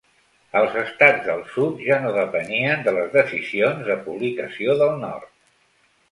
Els estats del sud ja no depenien de les decisions de publicació del nord.